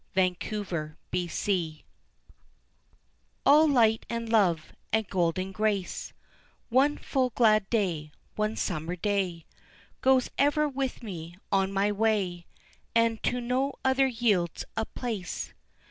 Marguerite All light and love, and golden grace, One full glad day, one summer day Goes ever with me on my way, And to no other yields a place.